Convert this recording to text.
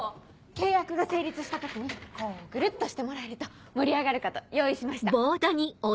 契約が成立した時にこうグルっとしてもらえると盛り上がるかと用意しました。